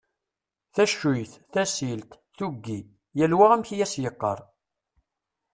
Taccuyt, tasilt, tuggi: yal wa amek i as-yeqqar.